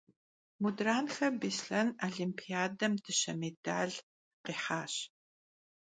Mudrenxe Bêslhen volimpiadexem dışe mêdal khihaş.